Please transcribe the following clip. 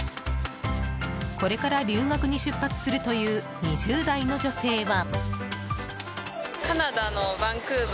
これから留学に出発するという２０代の女性は。